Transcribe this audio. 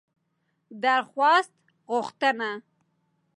درخواست √غوښتنه